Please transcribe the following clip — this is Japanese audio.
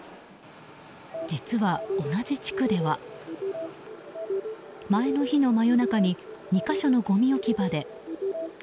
実は、同じ地区では前の日の真夜中に２か所のごみ置き場で。